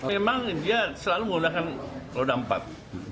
memang dia selalu menggunakan roda empat